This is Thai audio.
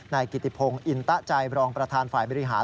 นายกิติพงศ์อินตะใจบรองประธานฝ่ายบริหาร